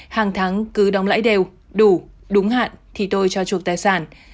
hàng tháng cứ đóng lãi đều đủ đúng hạn thì tôi cho chuộc tài sản